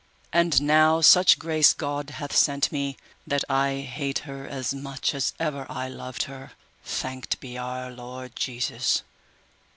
And now such grace God hath sent me, that I hate her as much as ever I loved her, thanked be our Lord Jesus!